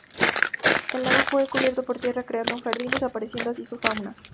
El lago fue cubierto por tierra creando un jardín, desapareciendo así su fauna.